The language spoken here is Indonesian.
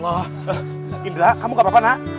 oh nggak ada apa apanya